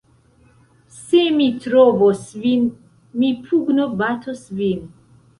Se mi trovos vin, mi pugnobatos vin!